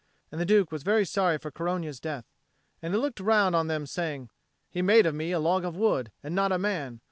And the Duke was very sorry for Corogna's death: and he looked round on them all, saying, "He made of me a log of wood, and not a man.